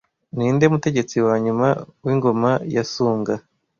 Ninde mutegetsi wanyuma wingoma ya Sunga